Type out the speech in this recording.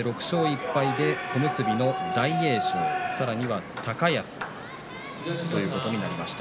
６勝１敗で小結の大栄翔さらには高安ということになりました。